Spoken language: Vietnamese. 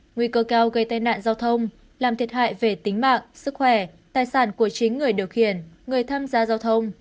nguy cơ cao gây tai nạn giao thông làm thiệt hại về tính mạng sức khỏe tài sản của chính người điều khiển người tham gia giao thông